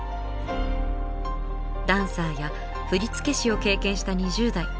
ダンサーや振付師を経験した２０代。